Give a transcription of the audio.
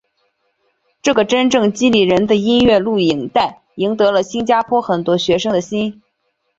这个真正激励人的音乐录影带赢得了新加坡很多学生的心。